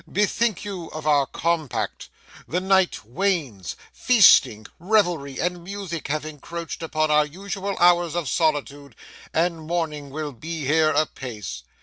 Bethink you of our compact. The night wanes; feasting, revelry, and music have encroached upon our usual hours of solitude, and morning will be here apace.